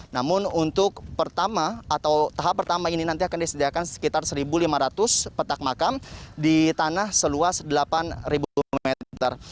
namun untuk pertama atau tahap pertama ini nanti akan disediakan sekitar satu lima ratus petak makam di tanah seluas delapan meter